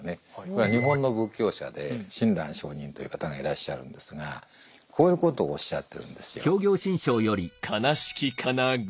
これは日本の仏教者で親鸞上人という方がいらっしゃるんですがこういうことをおっしゃってるんですよ。